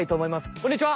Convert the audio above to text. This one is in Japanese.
こんにちは！